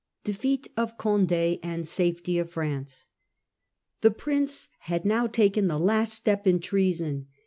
Defeat of Cond£ and Safety of France. The Prince had now taken the last step in treason.